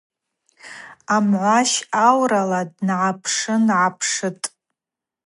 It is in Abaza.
Амгӏващ аурала днапшыгӏапшитӏ.